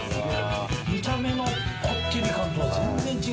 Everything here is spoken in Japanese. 見た目のこってり感と全然違う。